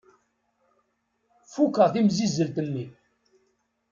Fukeɣ timsizzelt-nni.